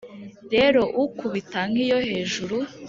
Rero ukubita nk’iyo hejuru